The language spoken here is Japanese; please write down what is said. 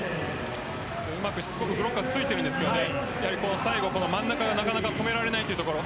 しつこくブロックはついているんですが最後、真ん中がなかなか止められないところ。